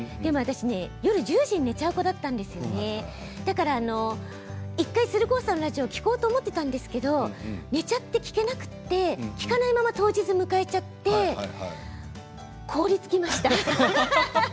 夜１０時に寝ちゃう子だったので１回鶴光さんのラジオ聴こうと思っていたんですけれど寝てしまって聴かないまま当日を迎えてしまって凍りつきました。